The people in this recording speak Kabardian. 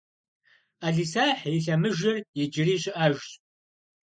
Ӏэлисахь и лъэмыжыр иджыри щыӏэжщ.